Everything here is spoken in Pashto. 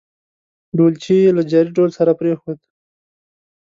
ډولچي یې له جاري ډول سره پرېښوده.